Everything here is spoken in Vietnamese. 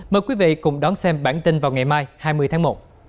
mời quý vị cùng đón xem bản tin vào ngày mai hai mươi tháng một